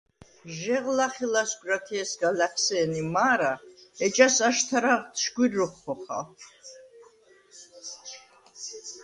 ჟეღ ლახე ლასგვარათე̄სგა ლა̈ხსე̄ნი მა̄რა, ეჯას აშთარაღდ შგვირ როქვ ხოხალ.